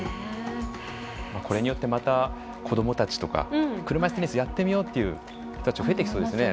これによって、また子どもたちとか車いすテニスやってみようっていう人たち増えてきそうですよね。